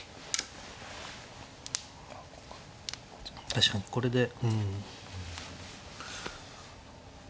確かにこれでうん。